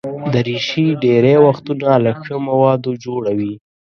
دریشي ډېری وختونه له ښه موادو جوړه وي.